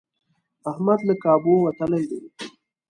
احمد له کابو وتلی دی.